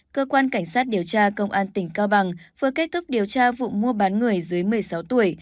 cơ quan cảnh sát điều tra công an tỉnh cao bằng vừa kết thúc điều tra vụ mua bán người dưới một mươi sáu tuổi